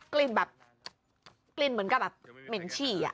กลิ่นแบบกลิ่นเหมือนกับแบบเหม็นฉี่